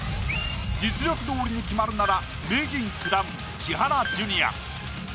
実力どおりに決まるなら名人９段千原ジュニア。